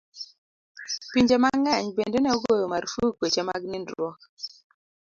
Pinje mang'eny bende ne ogoyo marfuk weche mag nindruok.